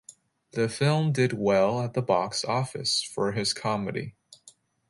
The film did well at the box office for his comedy.